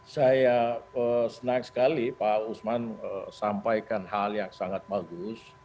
saya senang sekali pak usman sampaikan hal yang sangat bagus